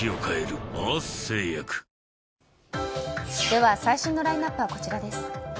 では、最新のラインアップはこちらです。